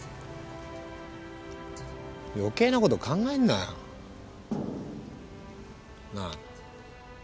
余計なこと考えんなよ。なぁ。